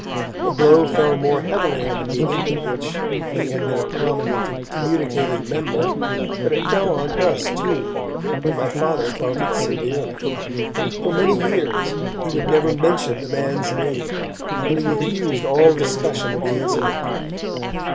The blow fell more heavily on the meeting of which he had been a prominent and communicating member, but it fell on us too, and my Father felt it severely. For many years he would never mention the man's name, and he refused all discussion of the incident.